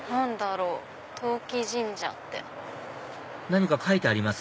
何か書いてあります？